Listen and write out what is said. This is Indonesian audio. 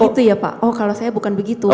oh begitu ya pak kalau saya bukan begitu